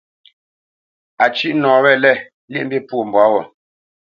A cʉ́ʼ nɔ wɛ̂lɛ̂, lyéʼmbî pwô mbwǎ wo.